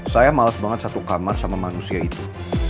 saya malas banget satu kamar sama manusia itu